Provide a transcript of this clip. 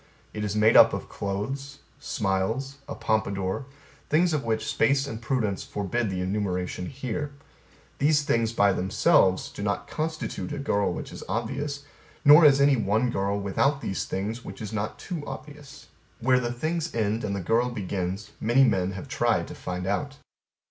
It is made up of clothes, smiles, a pompadour, things of which space and prudence forbid the enumeration here. These things by themselves do not constitute a girl which is obvious; nor is any one girl without these things which is not too obvious. Where the things end and the girl begins many men have tried to find out.